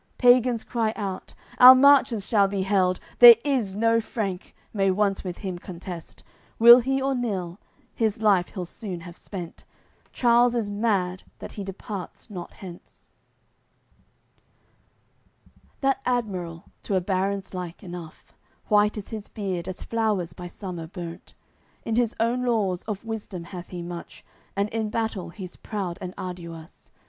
Pagans cry out: "Our Marches shall be held; There is no Frank, may once with him contest, Will he or nill, his life he'll soon have spent. Charles is mad, that he departs not hence." AOI. CCXXIX That admiral to a baron's like enough, White is his beard as flowers by summer burnt; In his own laws, of wisdom hath he much; And in battle he's proud and arduous.